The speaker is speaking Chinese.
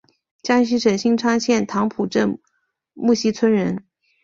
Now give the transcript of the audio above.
江西省新昌县棠浦镇沐溪村人。